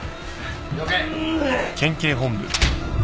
了解。